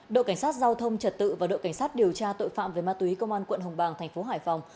đội cảnh sát giao thông trật tự và đội cảnh sát điều tra tội phạm về ma túy công an quận hồng bàng thành phố hải phòng